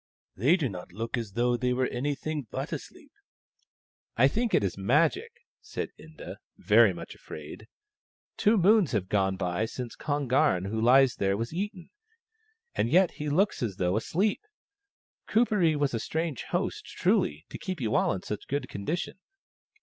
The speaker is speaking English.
" They do not look as though they were anything but asleep." " I think it is Magic," said Inda, very much afraid. " Two moons have gone by since Kon garn, who lies there, was eaten, and yet he looks as though asleep. Kuperee was a strange host, truly, to keep you all in such good condition